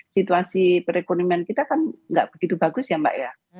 situasi perekonomian kita kan nggak begitu bagus ya mbak ya